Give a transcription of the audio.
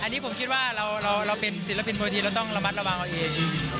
อันนี้ผมคิดว่าเราเป็นศิลปินมวยทีเราต้องระมัดระวังเอาเอง